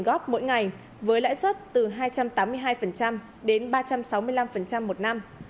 huy trực tiếp thu tiền góp mỗi ngày với lãi suất từ hai trăm tám mươi hai đến ba trăm sáu mươi năm một năm